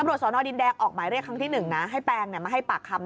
ตำรวจสวนอดินแดกออกหมายเรียกครั้งที่หนึ่งน่ะให้แปงเนี้ยมาให้ปากคำ